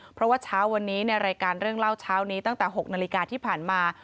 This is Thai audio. เพราะว่าเช้าวันนี้ในรายการเรื่องเล่าเช้านี้ตั้งแต่๖นาฬิกาที่ผ่านมา